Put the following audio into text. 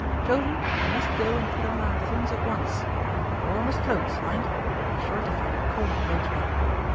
Children, we must go and put on our things at once your warmest cloaks, mind we're sure to find it cold motoring.